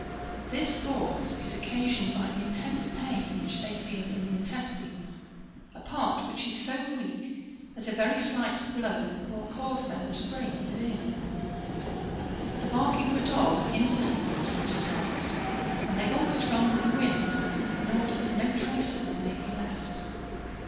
This pause is occasioned by the intense pain which they feel in the intestines, a part which is so weak, that a very slight blow will cause them to break within. The barking of a dog instantly puts them to flight, and they always run with the wind, in order that no trace of them may be left.